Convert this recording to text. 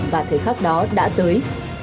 và thời khắc đó đã tới